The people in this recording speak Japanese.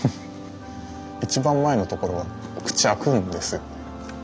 一番前のところは口開くんです。